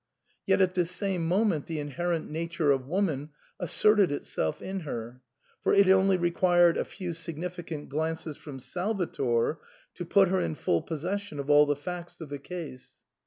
Yet at this same moment the inherent nature of woman asserted itself in her ; for it only required a few signifi cant glances from Salvator to put her in full possession of all the facts of the case.